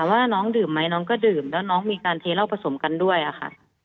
ว่าน้องดื่มไหมน้องก็ดื่มแล้วน้องมีการเทเหล้าผสมกันด้วยอะค่ะ